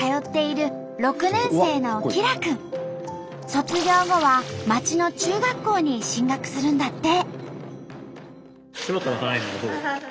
卒業後は町の中学校に進学するんだって。